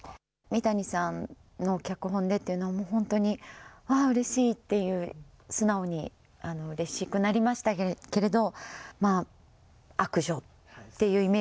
三谷さんの脚本でっていうのは、本当に、わー、うれしいっていう、素直にうれしくなりましたけれど。